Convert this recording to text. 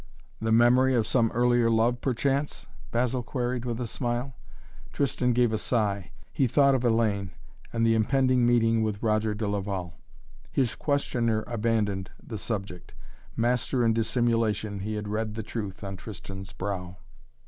"The memory of some earlier love, perchance?" Basil queried with a smile. Tristan gave a sigh. He thought of Hellayne and the impending meeting with Roger de Laval. His questioner abandoned the subject. Master in dissimulation he had read the truth on Tristan's brow.